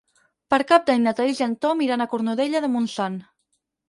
Per Cap d'Any na Thaís i en Ton iran a Cornudella de Montsant.